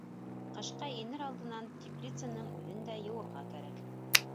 Ҡышҡа инер алдынан теплицаның үҙен дә йыуырға кәрәк.